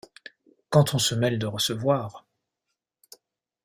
Quand on se mêle de recevoir !